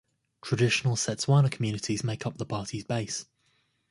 Traditional Setswana communities make up the party's base.